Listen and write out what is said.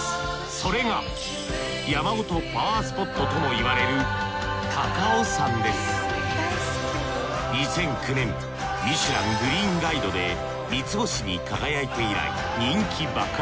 それが山ごとパワースポットともいわれる２００９年『ミシュラン・グリーンガイド』で三つ星に輝いて以来人気爆発。